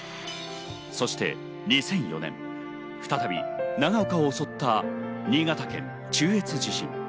そして２００４年、再び長岡を襲った新潟県中越地震。